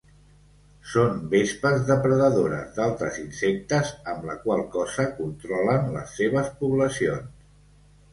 Són vespes depredadores d'altres insectes, amb la qual cosa controlen les seves poblacions.